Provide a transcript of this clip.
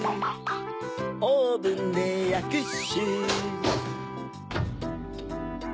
オーブンでやくっシュ。